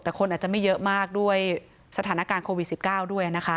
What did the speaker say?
อาจจะไม่เยอะมากด้วยสถานการณ์โควิด๑๙